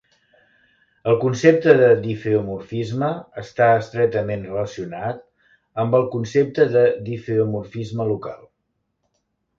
El concepte de difeomorfisme està estretament relacionat amb el concepte de difeomorfisme local.